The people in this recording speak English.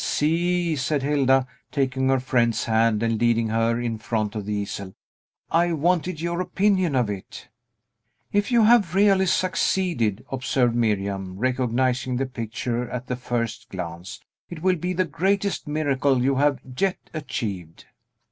"See!" said Hilda, taking her friend's hand, and leading her in front of the easel. "I wanted your opinion of it." "If you have really succeeded," observed Miriam, recognizing the picture at the first glance, "it will be the greatest miracle you have yet achieved."